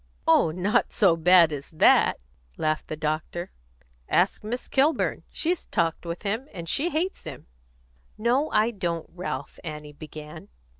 "Oh, not so bad as that!" laughed the doctor. "Ask Miss Kilburn. She's talked with him, and she hates him." "No, I don't, Ralph," Annie began.